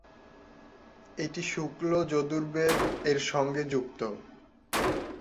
এটি "শুক্ল যজুর্বেদ"-এর সঙ্গে যুক্ত।